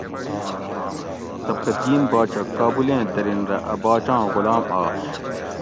سبکتگین باچہ کابلیں درین رہ اَ باچاں غلام آش